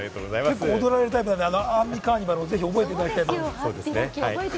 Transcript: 結構踊られるタイプなので、ぜひ『アンミカーニバル』を覚えていただいて。